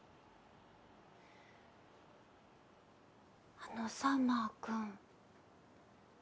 あのさマー君。